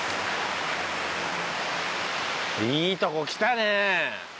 いいとこ来たね。